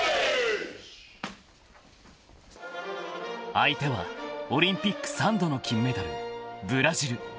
［相手はオリンピック３度の金メダルブラジル］